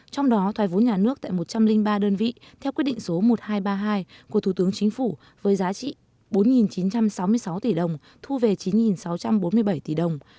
trong đó thoái vốn nhà nước tại một trăm linh ba đơn vị theo quyết định số một nghìn hai trăm ba mươi hai của thủ tướng chính phủ với giá trị bốn chín trăm sáu mươi sáu tỷ đồng thu về chín sáu trăm bốn mươi bảy tỷ đồng